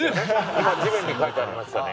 今地面に書いてありましたね。